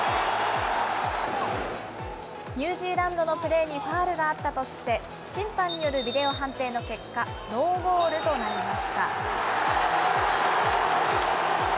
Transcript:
ニュージーランドのプレーにファウルがあったとして、審判によるビデオ判定の結果、ノーゴールとなりました。